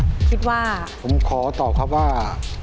คิดว่าอ๋อคิดว่าผมขอตอบครับว่า